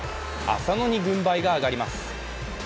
浅野に軍配が上がります。